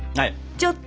ちょっと！